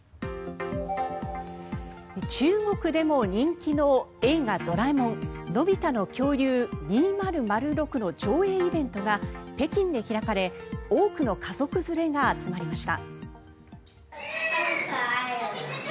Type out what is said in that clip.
中国でも人気の「映画ドラえもんのび太の恐竜２００６」の上映イベントが北京で開かれ多くの家族連れが集まりました。